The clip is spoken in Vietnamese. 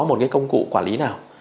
một cái công cụ quản lý nào